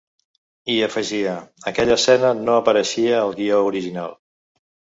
I afegia: Aquella escena no apareixia al guió original.